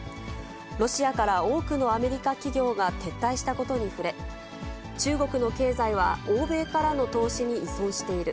ロシアから多くのアメリカ企業が撤退したことに触れ、中国の経済は欧米からの投資に依存している。